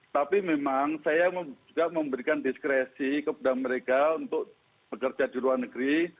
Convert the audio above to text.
tapi memang saya juga memberikan diskresi kepada mereka untuk bekerja di luar negeri